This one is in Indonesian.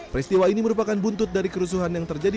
peristiwa ini merupakan buntut dari kerusuhan yang terjadi